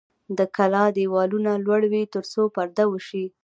د کلا دیوالونه لوړ وي ترڅو پرده وشي.